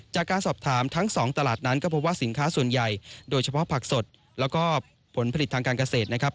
จากการสอบถามทั้ง๒ตลาดนั้นก็พบว่าสินค้าส่วนใหญ่โดยเฉพาะผักสดแล้วก็ผลผลิตทางการเกษตรนะครับ